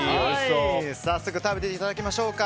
早速食べていただきましょうか。